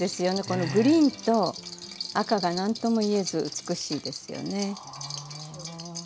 このグリーンと赤が何とも言えず美しいですよね。